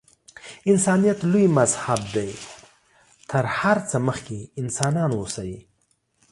انسانیت لوی مذهب دی. تر هر څه مخکې انسانان اوسئ.